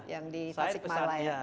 yang di pasikmalaya